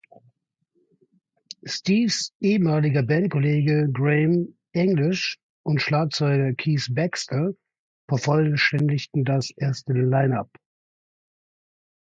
Steves ehemaliger Bandkollege Graeme English und Schlagzeuger Keith Baxter vervollständigten das erste Line-up.